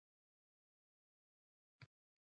دا به هېر کړو ، خو بیا به پام کوو